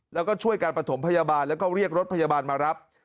แล้วก็ช่วยการประถมพยาบาลแล้วก็เรียกรถพยาบาลมารับ